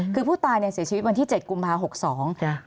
คือผู้ตายเสียชีวิตวันที่๗กุมภาคม๖๒